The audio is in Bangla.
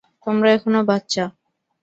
তোমরা এখনো বাচ্চা।